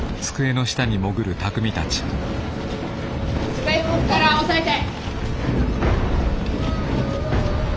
机動くから押さえて。